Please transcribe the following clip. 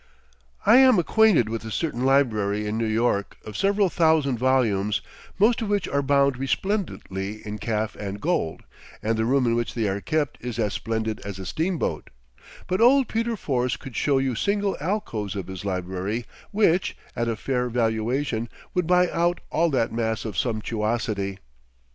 I am acquainted with a certain library in New York of several thousand volumes, most of which are bound resplendently in calf and gold, and the room in which they are kept is "as splendid as a steamboat," but old Peter Force could show you single alcoves of his library which, at a fair valuation, would buy out all that mass of sumptuosity.